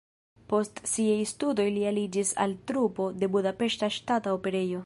Post siaj studoj li aliĝis al trupo de Budapeŝta Ŝtata Operejo.